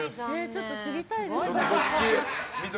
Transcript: ちょっと知りたいです。